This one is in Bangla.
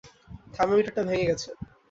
থার্মোমিটারটা ভেঙে গেছে!